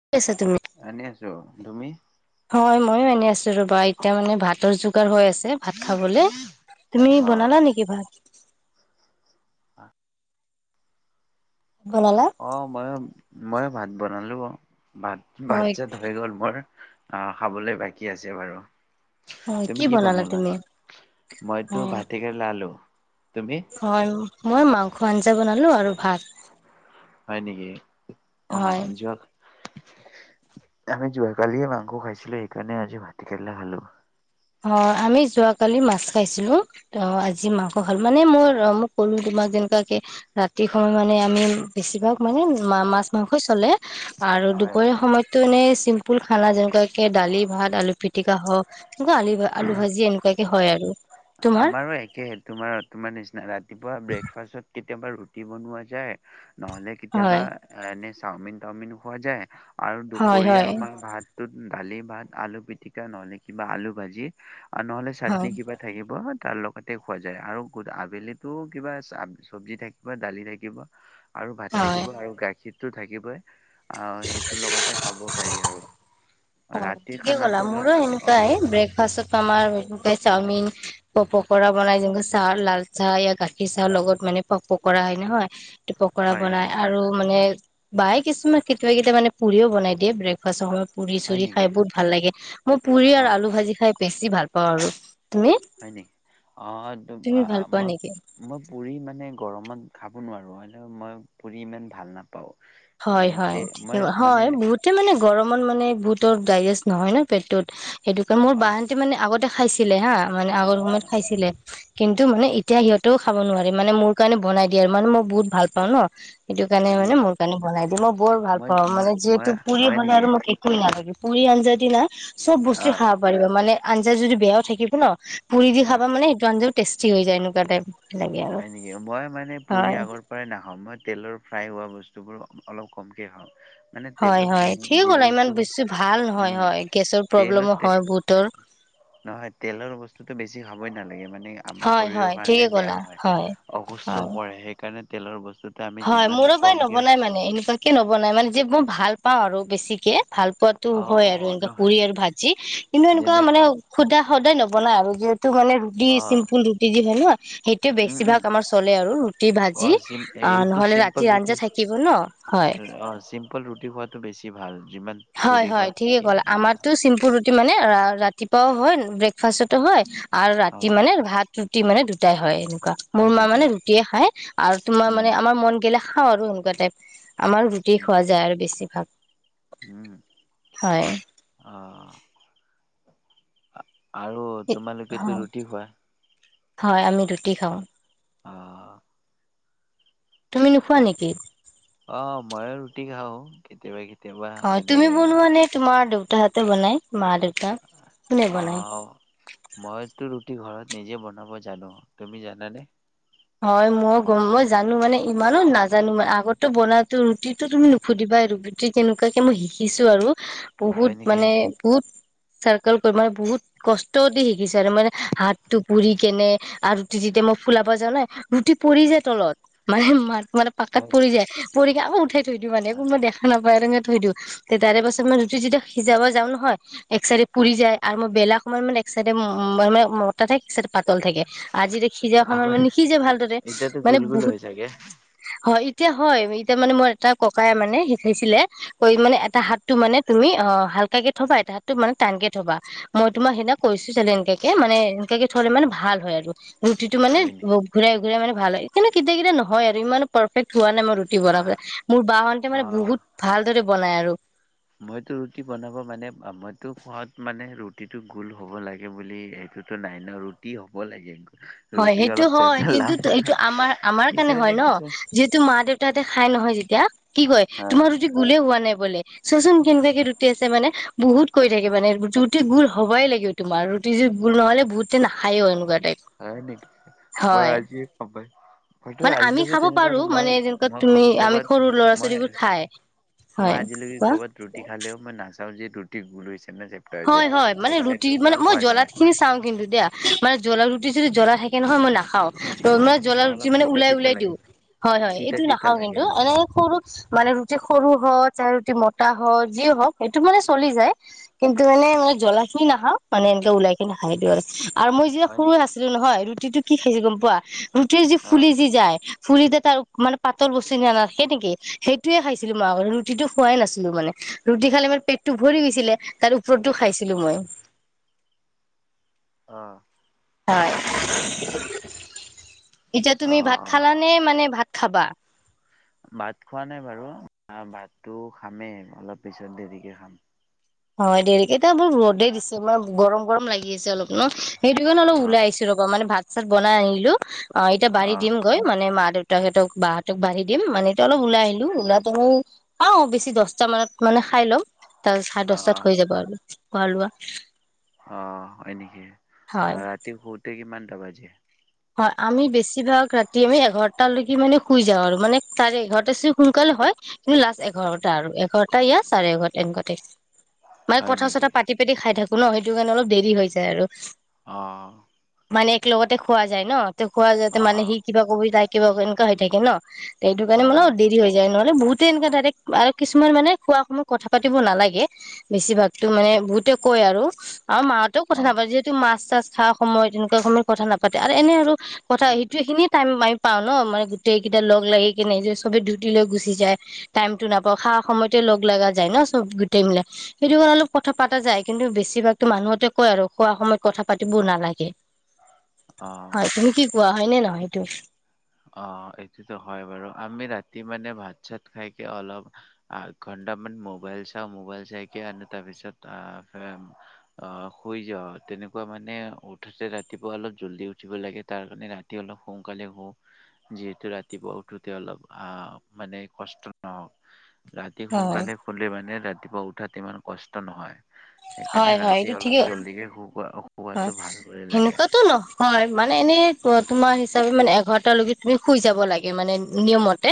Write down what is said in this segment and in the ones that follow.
[unintelligible] এনেই আছো তুমি হয় ময়ো এনে আছো ৰ'বা এতিয়া মানে ভাতৰ যোগাৰ হৈ আছে। ভাত খাবলে তুমি অ বনালা নেকি ভাত। হয় অ মই ময়ো ভাত বনালো অ ভাত ভাত যে হৈ গ'ল মোৰ। আহ খাবলৈ বাকী আছে বাৰু তুমি কি বনালা মইতো ভাত-কেৰেলা আলু। তুমি হয় মই মাংস আঞ্জা বনালো আৰু ভাত হয় নেকি অ হয়। যোৱা আমি যোৱাকালিয়ে মাংস খাইছিলো সেইকাৰণে আজি ভাত কেৰেলা খালো। অ আমি যোৱাকালি মাছ খাইছিলো অ আজি মাংস খাল মানে মোৰ ম‌ই কলো আমাক যেনেকুৱাকে ৰাতি সময়ত মানে আমি বেছিভাগ মানে মা মাছ মাংসই চলে আৰু হয় দুপৰীয়া সময়ততো এনে চিম্পুল খানা যেনেকুৱাকে দালি ভাত আলু পিতিকা হওক। [unintelligible] আলু ভাজি এনেকুৱাকে হয় আৰু তোমাৰ আমাৰো একেহে তোমাৰ তোমাৰ নিচিনা ৰাতিপুৱা ব্ৰেকফাষ্টত কেতিয়াবা ৰুটি বনোৱা যায় নহলে কেতিয়াবা হয় এ এনে চাওমিন টাওমিন খোৱা যায়। আৰু হয় দুপৰীয়া হয় আমাৰ ভাতটোত দালি ভাত আলু পিটিকা নহ'লে কিবা আলু ভাজি। আৰু নহ'লে হয় চাটনি কিবা থাকিব। তাৰ লগতে খোৱা যায় আৰু আবেলিতো কিবা চবজি থাকিব দালি থাকিব। আৰু ভাত হয় থাকিব আৰু গাখীৰটো থাকিবই আহ সেইটো লগতে খাব পাৰি আৰু। অ, ৰাতিৰ ঠিকে খানাটো ক'লা অলপ মোৰো অ এনেকুৱাই ব্ৰেকফাষ্টত আমাৰ বা চাওমিন বা পকৰা বনাই চাহ, লাল চাহ য়া গাখীৰ চাহৰ লগত মানে পকৰা হয় নহয় পকৰা হয় হয় বনাই আৰু মানে বাই কিছুমান কেতিয়াবা-কেতিয়াবা মানে পুৰিও বনাই দিয়ে। ব্ৰেকফাষ্টৰ সময়ত পুৰি হয় পুৰি নেকি খাই বহুত ভাল লাগে, মই পুৰি অ আৰু আলু ভাজি খাই বেছি ভাল পাওঁ আৰু। তুমি হয় নি, অ' তুমি ভাল পোৱা মই নেকি মই পুৰি মানে গৰমত খা খাব নোৱাৰোঁ, মই পুৰি ইমান ভাল নাপাওঁ। উম হয়-হয়, তে ঠিকে মই মানে হয়। বহুতে মানে গৰমত মানে বহুতৰ ডাইজেষ্ট নহয় ন পেটটোত সেইটো কাৰণে মোৰ বা অ' হতে মানে আগত খাইছিলে হা, মানে আগৰ সময়ত অ' খাইছিলে। কিন্তু মানে এতিয়া সিহঁতেও খাব নোৱাৰে, মানে মোৰ কাৰণে বনাই দিয়ে আৰু মানে মই বহুত ভাল পাওঁ ন। সেইটো কাৰণে হয় মানে নেকি? মোৰ কাৰণে বনাই দিয়ে, মই বৰ ভাল মই পাওঁ মই মানে মই যিহেতু পুৰি হয় বনাই নেকি? আৰু মোক একোৱেই নালাগে। পুৰি আঞ্জা দি না চব বস্তুৱে অ' খাব পাৰিব মানে আঞ্জা যদি বেয়াও থাকিব ন পুৰি দি খাবা মানে সেইটো আজ্ঞাও টেষ্টি হৈ যায়, এনেকুৱা টাইপ। লাগে আৰু হয় নেকি, মই মানে পুৰি হয় আগৰ পৰাই নাখাওঁ। মই তেলৰ ফ্ৰাই হোৱা বস্তু বস্তুবোৰ অলপ কমকৈ হয়। মানে হয় হয় তেলত ঠিকে যি ক'লা ইমান বস্তু বা বেছি ভাল নহয় উম' হয় গেছৰ প্ৰব্লেমো তেলতে হয় বহুতৰ নহয় তেলৰ বস্তুতটো বেছি খাবই নালাগে মানে আমাৰ হয় হয় শৰীৰৰ ঠিকে কাৰণে ক'লা বেয়া হয়। অসুস্থ হয় কৰে সেইকাৰণে তেলৰ বস্তু। হয় মোৰো প্ৰায় নবনাই মানে এনেকুৱাকে নবনাই মানে যে মই ভাল পাওঁ আৰু বেছিকে ভাল। পোৱাতো অ হয় অ আৰু এনেকুৱা নহয় পুৰি আৰু ভাজি কিন্তু এনেকুৱা যেনে মানে সুধা সদায় নবনায় আৰু যিহেতু। সেইটো মানে ৰুটি অ চিম্পুল ৰুটি যি বনোৱা সেইটোয়ে উম উম বেছিভাগ আমাৰ চলে আৰু ৰুটি অ ভাজি। চিম আহ এইটো নহলে ৰাতিৰ চিম্পল আঞ্জা ৰুটি থাকিব ন হয় অ' চিম্পল ৰুটি খোৱাটো বেছি ভাল। যিমান হয় পুৰি হয় খোৱাত ঠিকে চেকে ক'লা অ আমাৰতো চিম্পুল ৰুটি মানে। ৰাতিপুৱাও হয় ব্ৰেকফাষ্টতো হয় আৰু অ ৰাতি মানে ভাত ৰুটি মানে দুটাই হয়। মোৰ হয় মা নেকি মানে ৰুটিয়ে খাই আৰু তোমাৰ উম মানে আমাৰ মন গেলে খাওঁ আৰু সেনেকুৱা টাইপ। আমাৰ ৰুটি উম খোৱা যায় আৰু বেছিভাগ উম হয়। অ আৰু তোমালোকেতো ৰুটি খোৱা? হয় আমি ৰুটি খাওঁ। অ তুমি নোখোৱা ত নেকি অ মই ৰুটি খাওঁ কেতিয়াবা কেতিয়াবা। হয় মানে তুমি বনোৱা নে তোমাৰ দেউতাহঁতে বনাই। মা দেউতা কোনে বনাই অও মইতো ৰুটি ঘৰত নিজে বনাব জানো তুমি জানানে। হয় মই গম মই জানো মানে ইমানো নাজানো মা আগততো বনাত ত' ৰুটিটো তুমি নোহোধিবা ৰুটি কেনেকুৱাকে মই শিকিছো আৰু। বহুত হয় নেকি? মানে বহুত। চাৰ্কোল কাৰি মানে বহুত কষ্ট দি শিকিছে আৰু মানে হাতটো পুৰি কেনে আৰু। ফুলাব যানে নাই ৰুটি পৰি যায় তলত মানে মে পাকাত পৰি যায় পৰি আকৌ উঠাই। সেইটো মানে কোনোবা দেখা নাপায়। থৈ দিওঁ তাৰে পাছত মই ৰুটি যেতিয়া সিজাব যাওঁ নহয় এক চাইডে পুৰি যায় আৰু মই বেলা খনত মানে। চাইডে ম-ম মানে মতা থাক চাইডে পাতল থাকে। আজি যে সিজাখনত আগত মানে সি যে ভালদৰে এতিয়াতো মানে গোল গোল বহুত হৈ চাগে হয়। এতিয়া হয় এতিয়া মানে মই এটা ককাই মানে শিকাইছিলে কয় মানে এটা হাতটো মানে। তুমি অ হালকাকে থবা এটা হাত মানে টানকে থবা মই তোমাৰ সেইদিনা কৈছো যে এনকাকে মানে। [unintelligible] ৰুটিটো মানে হয় নি ব ঘূৰাই ঘূৰাই মানে ভাল হয় কিন্তু কেতিয়া কেতিয়া নহয় আৰু ইমান পাৰফেক্ট। খোৱা নাই মই ৰুটি বনাব আহ মোৰ বাহতে মানে আহ বহুত ভালদৰে বনাই আৰু। মইতো ৰুটি বনাব মানে মইতো খোৱাত মানে ৰুটিটো গোল হ'ব লাগে বুলি এ ইটোটো নাই ন' ৰুটি হ'ব লাগে। হয় ৰুটি সেইটো অলপ হয় চেপটা কিন্তু লাম এইটো আমাৰ আমাৰ কাৰণে কিছুমানে হয় ন কিছুমান যিহেতু মা দেউতাহতে খাই নহয়। যেতিয়া কি কয় হা তোমাৰ ৰুটি গোলে হোৱা নাই বোলে। চোৱাচোন কেনেকুৱাকে ৰুটি আছে মানে বহুত কৈ থাকে মানে ৰুটি গোল হবাই লাগে তোমাৰ ৰুটি। গোল নহলে বহুতে নাখায়ো এনেকুৱা টাইপ। হয় মই হয় আজি পাপাইক। মানে আমি খাব পাৰো মানে যেনেকুৱা মই তুমি আমি ক'ৰবাত সৰু ল'ৰা মই ছোৱালীবোৰ খাই। মই হয় আজিলৈকে কোৱা ক'বাত ৰুটি খালেও মই নাচাওঁ যে ৰুটি গোল হৈছে নে চেপটা হৈছে। হয় হয় মানে এক ৰুটি চাইডৰ মানে পৰা মই খোৱা জলা যায় খিনি চাওঁ কিন্তু দিয়া মানে জলা ৰুটি। ৰুটি যদি জ্বলা থাকে নহয় মই নাখাওঁ ত' ম জ্বলা অ ৰুটি অলপ মানে তিতা ওলাই তিতা ওলাই লাগে দিওঁ। হয় হয় তিতা এইটো তিতা নাখাওঁ লাগে কিন্তু অলপ। এনে সৰু মানে ৰুটি সৰু হয়। যাৰ ৰুটি মতা হওঁক যি হওঁক সেইটো মানে চলি যায়। কিন্তু মানে মই জ্বলা খিনি নখাওঁ মানে এনেকে ওলাই কিনে খায় দিওঁ আৰু। আৰু মই যেতিয়া হয় সৰু নেকি আছিলো নহয় ৰুটিটো কি খাইছো গম পোৱা ৰুটিৰ যি অ ফুলি যি যায় ফুলি ত। তাৰ মানে পাতল বস্তু নিয়না সেই নেকি সেইটোয়ে খাইছিলো মই আগত ৰুটিটো খোৱাই নাছিলো মানে ৰুটি। ৰুটি খালে মানে পেটটো ভৰি গৈছিলে তাৰ ওপৰতো খাইছিলো মই। অহ ', হয়। এতিয়া তুমি অ ভাত খালানে মানে ভাত খাবা? ভাত খোৱা নাই বাৰু, ভাতটো খামেই অলপ পিছত দেৰিকে খাম। হয়। দেৰিকেইটায়া বু ৰ'দে দিছে মানে গৰম - গৰম লাগি আছে অলপ ন সেইটো কাৰণে অলপ অ ওলাই আইছো ৰব, মানে ভাত চাত বনাই আইলো অ, এতিয়া অ বাঢ়ি দিম গৈ মানে মা দেউত তাহাতক বা হতক বাঢ়ি দিম মানে ত অলপ ওলাই আহিলো, ওলাতো মই অ, বেছি দছটা মানত মানে খাই ল'ম তাৰপাছত চাৰে অ দছটাত হৈ যাব আৰু খোৱা লোৱা অ', এনেকি হয় ৰাতি শুতে কিমানটা বাজে হয়, আমি বেছিভাগ ৰাতি আমি এঘাৰটালৈকে মানে শুই যাওঁ, আৰু মানে চাৰে এঘাৰটা চে সোনকাল হয়, কিন্তু লাষ্ট এঘাৰটা আৰু এঘাৰটা ইয়াৰ চাৰে এঘাৰটা এনকা টাইপ মানে হয় কথা নেকি? চথা পাতি পাতি খাই থাকো ন সেইটো কাৰণে অলপ দেৰি হৈ যায় আৰু অ, মানে এক লগতে খোৱা যায় ন তে খোৱা যাওঁতে অ মানে সি কিবা কবি ত কিবা এনেকুৱা হৈ থাকে ন সেইটো কাৰণে অ অলপ দেৰি হৈ যায় নয় মানে বহুতে এনেকা ডাৰেক্ আৰু কিছুমান মানে খোৱা সময়ত কথা পাতিব নালাগে, বেছিভাগতো মানে বহুত তেও কয় আৰু আমা মা হঁতেও কথা নাপা অ যিহেতু মাছ চাছ খা সময় তেনেকুৱা সময়ত কথা নাপা তাতে এনে আৰু কথা সেইটোৱে খিনিয়ে টাইম আমি পাও ন মানে গোটেই কেইটা লগ লাগি কেনে যে সবে লৈ গুচি যায় টাইম টো নাপাও, খা সময়তে লগা যায় ন চব গোটেই মিলাই সেইটো কাৰণে অলপ কথা পাতা যায়। কিন্তু বেছিভাগতো মানুহতে কয় আৰু খোৱা সময়ত কথা পাতিব নালাগে। [inaudible] অ হয়। তুমি কি কোৱা হয় নে নহয় হেইটো? অ', এইটোতো হয় বাৰু। আমি ৰাতি মানে ভাত চাত খাইকে অলপ আট টামান মোবাইল চাওঁ মোবাইল চাইকে আন তাৰপিছত শুই আ যাওঁ তেনেকুৱা মানে উঠোতে ৰাতিপুৱা অলপ জলদি উঠিব লাগে, তাৰ কাৰণে ৰাতি অলপ সোনকালে শু যিহেতু ৰাতিপুৱা উঠোতে অলপ আহ মানে কষ্ট নহওক ৰাতি হয় সোনকালে শুলে মানে ৰাতিপুৱা উঠাত ইমান কষ্ট নহয়। হয় সেইকাৰণে হয় ৰাতি এইটো অলপ ঠিকেই জল্দিকে শুবা অ হয়। সেনেকুৱাতো ন হয়। মানে এনেই তোমাৰ হিচাপে মানে এঘাৰটা লেকে তুমি শুই যাব লাগে মানে নিয়মতে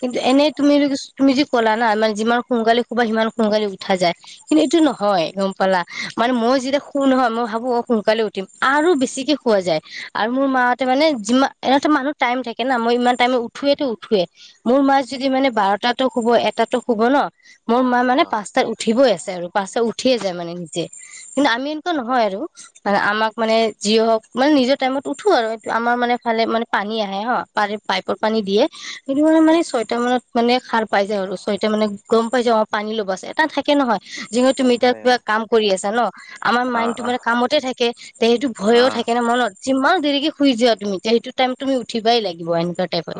কিন্তু এনেই তুমি তুমি যি ক'লা না মানে যিমান সোনকালে শুবা সিমান সোনকালে উঠা যায়। কিন্তু এইটো নহয় গম পালা মানে মই যেতিয়া শু শু নহয় মই ভাবো শুৱ সোনকালে উঠিম আৰু বেছিকে শুৱা যায়, আৰু মোৰ মা হতে মানে যিমান এনেতো মানুহ টাইম থাকে মই ইমান টাইমে উঠোৱেতো উঠোৱে মোৰ মা যদি মানে বাৰটাতো শুব, এটাতো শুব ন মোৰ মা অ মানে পাঁচটাত উঠিবই আছে, আৰু পাঁচটা উঠিয়ে যায় মানে নিজে কিন্তু আমি এনেকুৱা নহয় আৰু মানে আমাক মানে যি হওক মানে নিজৰ টাইমত উঠো আৰু আমাৰ মানে ফালে মানে পানী আহে হ পাৰে পাইপৰ পানী দিয়ে। হেইটোকাৰণে মানে ছয়টা মানত মানে সাৰ পাই যাওঁ আৰু ছয়টা মানে গম পাই যায় অ', পানী ল'ব আছে। এটা থাকে নহয় যিহু তুমি এতিয়া হয় কিবা হয় কাম কৰি আছা ন। আমাৰ আহ মাইণ্ডটো আহ মানে কামতে থাকে। তে সেইটো ভয়ো আহ থাকে ন মনত যিমান দেৰিকে শুই যোৱা তুমি তে সেইটো টাইম তুমি উঠিবাই লাগিব এনো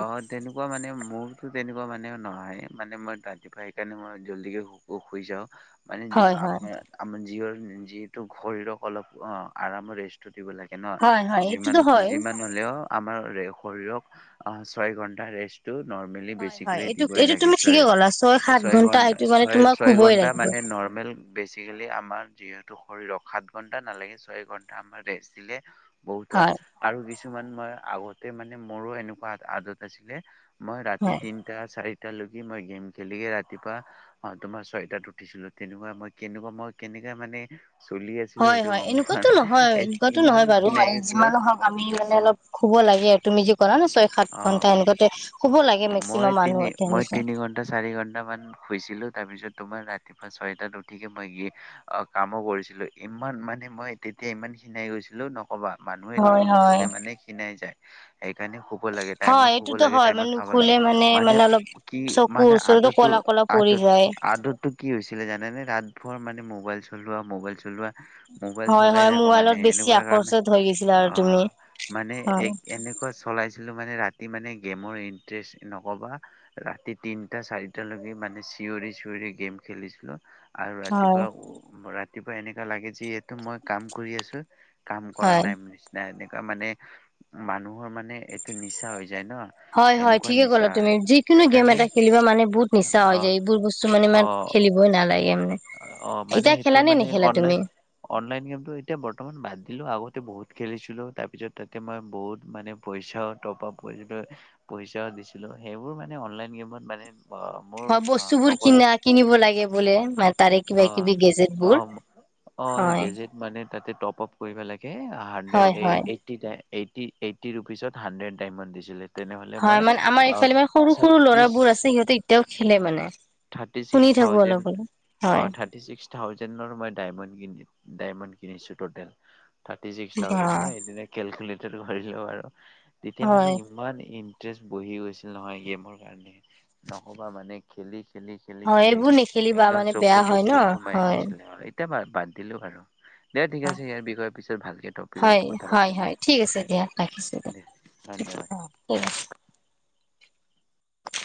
অ', তেনেকুৱা মানে মোৰতো তেনেকুৱা মানে নহয় মানে মই ৰাতিপুৱা সেইকাৰণে মই জল্দিকে শুই যাওঁ। মানে হয় হয় আপোনাৰ আমাৰ যিঅৰ যিহেতু শৰীৰক অলপ অ আৰাম ৰেষ্টু দিব লাগে ন হয় হয় এইটোতো যিমান হয় যিমান হলেও আমাৰে শৰীৰক অ', ছয় ঘণ্টা ৰেষ্ট নৰ্মেলি হয় হয় বেছিকেলি এইটো দিবই এইটো লাগে তুমি ঠিকে ছয় ক'লা সাত ছয় ঘন্টা ঘন্ট সেইটো মানে ছয় তোমাক ছয় শুবই ঘন্টা লাগিব মানে নৰ্মেল বেচিকেলি আমাৰ যিহেতু শৰীৰক সাত ঘন্টা নালাগে ছয় ঘন্টা আমাৰ ৰেষ্ট দিলে বহুত হয় আৰু কিছুমান মই আগতে মানে মোৰো এনেকুৱা আ আদত আছিলে মই ৰাতি হয় তিনটা, চাৰি তেতিয়া লৈকি মই গেম খেলিয়ে ৰাতিপুৱা অহ তোমাৰ ছয়টাত উঠিছিলো। তেনেকুৱা মই কেনেকুৱা মই কে নে মানে চলি আছিলো হয় সেইটো হয় গম পোৱা এনেকুৱাতো নাই নহয় এ এনেকুৱাতো ইমান নহয় বাৰু। খিনাই গৈছিলো যিমানো হওক আমি মানে অ অলপ শুব লাগে। তুমি যি কৰা ন' ছয়-সাত অ ঘন্টা এনেকুৱাতে শুব লাগে মই মেক্সিমাম মানুহ তিনি মই তেনেকুৱা তিনি ঘন্টা, চাৰি ঘন্টা মান শুইছিলো তাৰ পিছত তোমাৰ ৰাতিপুৱা ছয়টাত উঠিকে মই এ অ কামো কৰিছিলোঁ। ইমান মানে মই তেতিয়া ইমান সিনাই গৈছিলো নকবা। মানুহে হয় হয় নুশুলে মানে সিনাই যায়। সেইকাণে শুব লাগে টাইমত শুব লাগে টাইমত খাব লাগে শুলে মানে মানে অলপ কি চকুৰ মানে ওচৰতো আদতটো ক'লা-ক'লা পৰি আদত যায়। আদতটো কি হৈছিলে জানেনে? ৰাতভৰ মানে মোবাইল চলোৱা- মোবাইল চলোৱা মোবাইল হয় চলাই হয় থাকো মানে মোবাইলত বেছি এনেকুৱা কাৰণে, আকৰ্ষত হৈ গৈছিলা অ, আৰু তুমি মানে হয় এক এনে কুৱা চলাইছিলো মানে ৰাতি মানে গেমৰ ইন ট্ৰেছ নকবা, ৰাতি তিনটা, চাৰিটালৈকে মানে চিঞৰি-চিঞৰি গেম খেলিছিলো। আৰু হয় ৰাতিপুৱা উ ৰাতিপুৱা এনেকা লাগে যে এইতো মই কাম কৰি আছোঁ কাম কৰা হয় নাই নিচিনা এনেকা মানে মানুহৰ মানে এইটো নিচা হৈ যায় ন হয় হয় এনেকুৱা ঠিকে নিচা ক'লা তুমি যিকোনো গেম সেইকাৰণে এটা খেলিবা মানে বহুত নিছা হয় যায় অ', এই বোৰ বস্তু মানে ইমাত অ'। খেলিবই নল নালাগে মানে অ মানে এতিয়া সেইটো খেলা নে মানে নেখেলা তুমি অনলাইন অনলাইন গেমটো এতিয়া বৰ্তমান বাদ দিলো আগতে বহু বহুত খেলিছিলোঁ তাৰ পিছত তাতে মই বহুত মানে পইচাও টপ আপ কৰিছিলোঁ পইচাও দিছিলোঁ সেইবোৰ মানে অনলাইন গেমত মানে অ মোৰ হয় অ বস্তুবোৰ নকলে কিনা কিনিব লাগে বোলে মান তাৰে অ কিবা কিবি গেজেট অ বোৰ অ হয় গেজেট মানে তাতে টপ আপ কৰিব লাগে হাড্ৰেড হয় হয় এইটটি টায়। [unintelligible] ৰুপিছত হাণ্ড্ৰেড ডাইমণ্ড দিছিলে। তেনেহ'লে হয়, মই মানে আমাৰ অ ইফালে মানে সৰু সৰু ছত্ৰিছ ল'ৰাবোৰ আছে সিহঁতে এতিয়াও [unintelligible] মানে থাৰ্টি শুনি ছিক্স থাকো থাউজেণ্ড অলপ অলপ। হয় অ', থাৰৰ্টি ছিকস থাউজেণ্ড নৰ ময় ডায়মণ্ড তিনি ডায়মণ্ড কিনিছো টতেল থাৰ্টি ছিক্স বা থাউজেণ্ড ময় ক্যালকুলেটৰ কৰিলো আৰু। তেতিয়া হয় মানে ইমান ইণ্টাৰেষ্ট বহি গৈছিল নহয় গেমৰ কাৰণে নহ মানে খেলি, হয় খেলি-খেলি-খেলি এইবোৰ নেখেলিবা একদম মানে চকু বেয়া হয় ন তকু সোমাই হয় গৈছিলে আৰু এতিয়া বাদ দিলো আৰু। দে ঠিক আছে ইয়াৰ বিষয়ৰ পিছত ভালকে টপিকত হয় কথা হয় পাতিম দে, হয় ঠিক দে, আছে দিয়া ৰাখিছো দে। ধন্যবাদ [unintelligible] [unintelligible]